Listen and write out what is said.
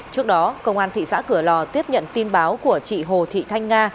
trước đó công an thị xã cửa lò tiếp nhận tin báo của chị hồ thị thanh nga